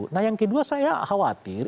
nah yang kedua saya khawatir